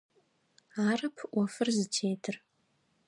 Арэп ӏофыр зытетыр.